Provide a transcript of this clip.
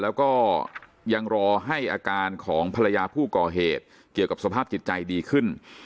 แล้วก็ยังรอให้อาการของภรรยาผู้ก่อเหตุเกี่ยวกับสภาพจิตใจดีขึ้น